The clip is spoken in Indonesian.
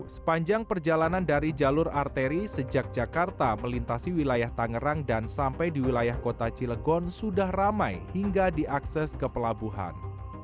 sepanjang perjalanan dari jalur arteri sejak jakarta melintasi wilayah tangerang dan sampai di wilayah kota cilegon sudah ramai hingga diakses ke pelabuhan